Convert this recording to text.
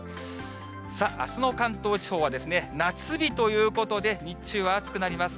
さあ、あすの関東地方は夏日ということで、日中は暑くなります。